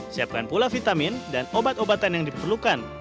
siapkan pula vitamin dan obat obatan yang diperlukan